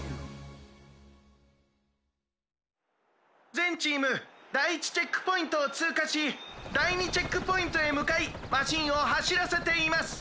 「ぜんチームだい１チェックポイントをつうかしだい２チェックポイントへむかいマシンをはしらせています。